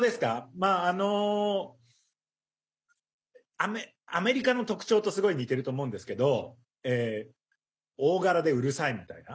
まあ、アメリカの特徴とすごい似てると思うんですけど大柄でうるさいみたいな。